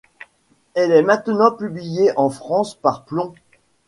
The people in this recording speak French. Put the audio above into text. Elle est maintenant publiée en France par Plon.